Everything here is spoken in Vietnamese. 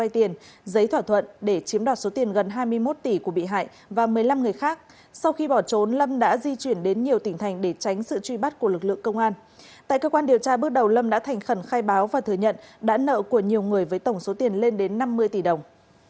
trong điều tra bước đầu lâm đã thành khẩn khai báo và thừa nhận đã nợ của nhiều người với tổng số tiền lên đến năm mươi tỷ đồng